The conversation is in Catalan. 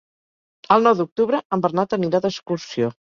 El nou d'octubre en Bernat anirà d'excursió.